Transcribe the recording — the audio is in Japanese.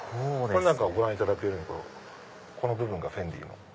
これなんかご覧いただくとこの部分がフェンディ。